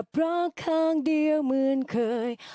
เพราะข้างเดียวเหมือนเคย